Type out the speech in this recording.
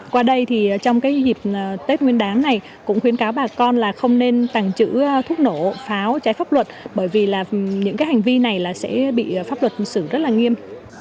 qua đây thì trong cái dịp tết nguyên đán này cũng khuyến cáo bà con là không nên tàng trữ thuốc nổ pháo trái pháp luật bởi vì là những cái hành vi này là sẽ bị pháp luật xử rất là nghiêm